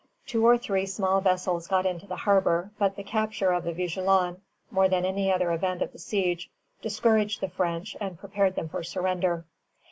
Two or three small vessels got into the harbor; but the capture of the "Vigilant," more than any other event of the siege, discouraged the French and prepared them for surrender.